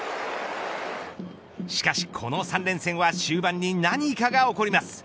しかし、この３連戦は終盤に何かが起こります。